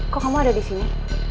kok kamu ada di sini